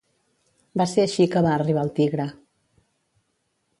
Va ser així que va arribar al Tigre.